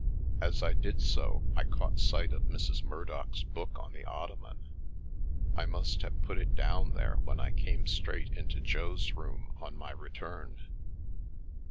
As I did so, I caught sight of Mrs. Murdochs book on the otto man; I must have put it down there when I came straight into Jo's room on my return.